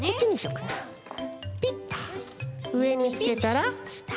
うえにつけたらした。